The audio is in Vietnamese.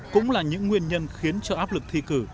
cũng là những nguyên nhân khiến cho áp lực thi cử